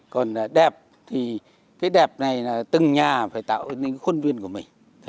còn đẹp thì cái đẹp này là từng nhà phải tạo nên khuôn viên của mình